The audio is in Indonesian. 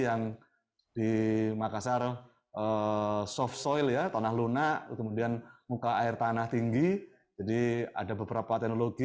yang di makassar soft soil ya tanah lunak kemudian muka air tanah tinggi jadi ada beberapa teknologi